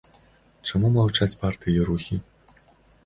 Чаму маўчаць партыі і рухі?